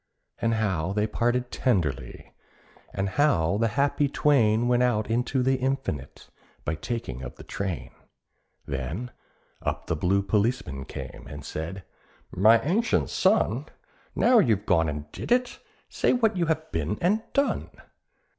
And how they parted tenderly, and how the happy twain Went out into the Infinite by taking of the train; Then up the blue policeman came, and said, "My ancient son, Now you have gone and did it; say what you have been and done?"